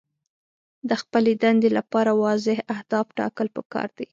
د خپلې دندې لپاره واضح اهداف ټاکل پکار دي.